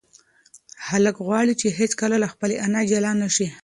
هلک غواړي چې هیڅکله له خپلې انا جلا نشي.